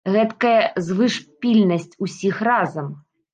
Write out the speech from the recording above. Гэткая звышпільнасць усіх разам!